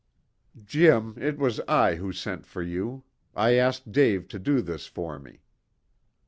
"Jim, it was I who sent for you. I asked Dave to do this for me."